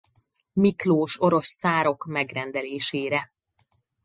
Miklós orosz cárok megrendelésére.